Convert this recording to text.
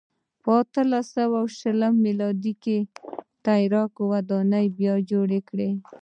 په اتلس سوه شلم میلادي کال ترکانو ودانۍ بیا جوړه کړه.